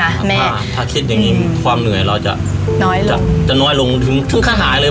คุณแม่ถ้าคิดอย่างงี้ความเหนื่อยเราจะน้อยลงจะจะน้อยลงถึงถึงขนาดหายเลย